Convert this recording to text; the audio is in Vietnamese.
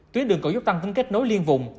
tuyến đường có giúp tăng tính kết nối liên vùng